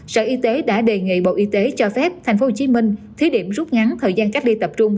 sở y tế đã đề nghị bộ y tế cho phép thành phố hồ chí minh thí điểm rút ngắn thời gian cách ly tập trung